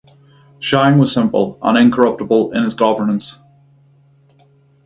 Shang was simple and incorruptible in his governance.